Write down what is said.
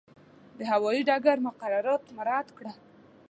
د هوایي ډګر مقررات مراعات کړه.